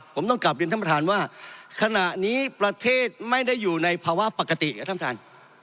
ผมต้องกลับเรียนท่านประธานว่าขณะนี้ประเทศไม่ได้อยู่ในภาวะปกติครับท่านท่าน